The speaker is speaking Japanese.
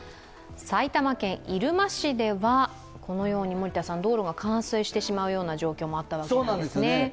埼玉県入間市では、このように森田さん、道路が冠水してしまうような状況もあったわけなんですね。